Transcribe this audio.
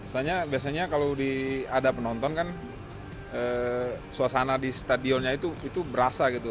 misalnya kalau ada penonton kan suasana di stadionya itu berasa gitu